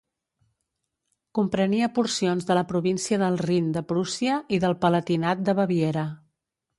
Comprenia porcions de la Província del Rin de Prússia i del Palatinat de Baviera.